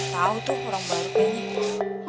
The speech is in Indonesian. tau tuh orang baru kayaknya